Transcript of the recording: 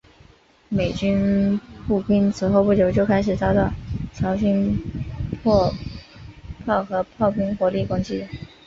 美军步兵此后不久就开始受到朝军迫炮和炮兵火力攻击。